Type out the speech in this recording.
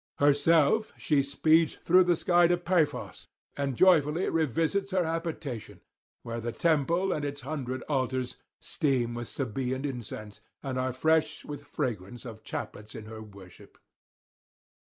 Herself she speeds through the sky to Paphos, and joyfully revisits her habitation, where the temple and its hundred altars steam with Sabaean incense, and are fresh with fragrance of chaplets in her worship.